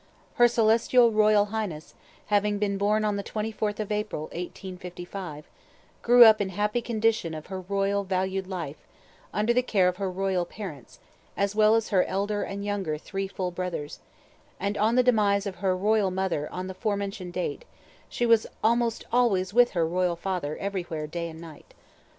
"Her Celestial Royal Highness, having been born on the 24th April, 1855, grew up in happy condition of her royal valued life, under the care of her Royal parents, as well as her elder and younger three full brothers; and on the demise of her royal mother on the forementioned date, she was almost always with her Royal father everywhere day & night.